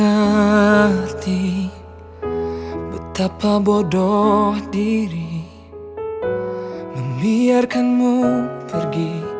aku boleh minta tolong gak mas sama kamu mas